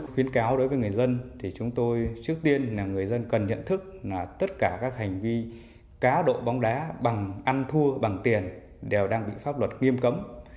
khuyến cáo đối với người dân thì chúng tôi trước tiên là người dân cần nhận thức là tất cả các hành vi cá độ bóng đá bằng ăn thua bằng tiền đều đang bị pháp luật nghiêm cấm